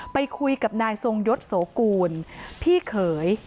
ไปคุยกับนายทรงยศโสกูลพี่เขย